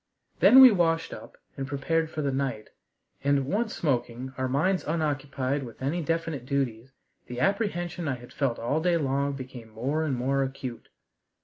Then we washed up and prepared for the night, and, once smoking, our minds unoccupied with any definite duties, the apprehension I had felt all day long became more and more acute.